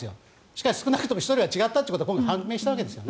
しかし少なくとも１人は違うことが判明したわけです。